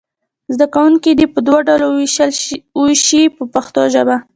زده کوونکي دې په دوو ډلو وویشئ په پښتو ژبه.